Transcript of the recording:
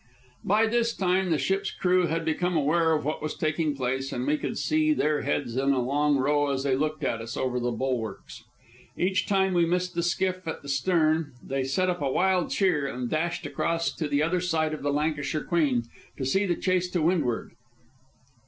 By this time the ship's crew had become aware of what was taking place, and we could see their heads in a long row as they looked at us over the bulwarks. Each time we missed the skiff at the stern, they set up a wild cheer and dashed across to the other side of the Lancashire Queen to see the chase to windward.